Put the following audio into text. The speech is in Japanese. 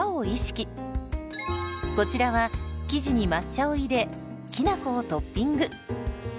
こちらは生地に抹茶を入れきなこをトッピング。